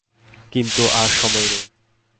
কিন্তু আর সময় নেই।